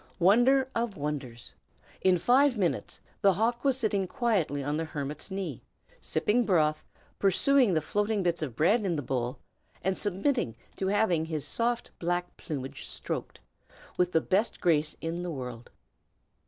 Wonder of wonders! In five minutes the hawk was sitting quietly on the hermit's knee, sipping broth, pursuing the floating bits of bread in the bowl, and submitting to have his soft black plumage stroked, with the best grace in the world.